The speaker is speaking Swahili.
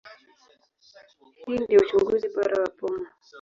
Hii ndio uchunguzi bora wa pumu.